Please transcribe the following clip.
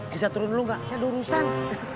bisa turun dulu gak saya ada urusan